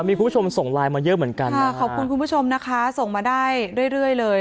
มีคุณผู้ชมส่งไลน์มาเยอะเหมือนกันค่ะขอบคุณคุณผู้ชมนะคะส่งมาได้เรื่อยเรื่อยเลย